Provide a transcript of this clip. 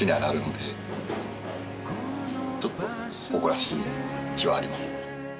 ちょっと誇らしい気はありますね。